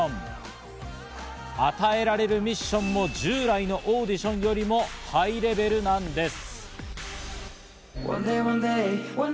与えられるミッションも従来のオーディションよりもハイレベルなんです。